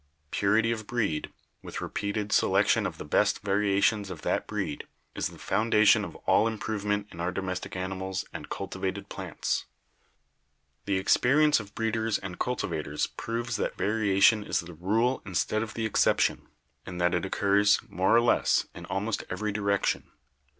Purity of breed, with repeated selection of the best varieties of that breed, is the foundation of all improvement in our domestic ani mals and cultivated plants. "The experience of breeders and cultivators proves that variation is the rule instead of the exception, and that it occurs, more or less, in almost every direction.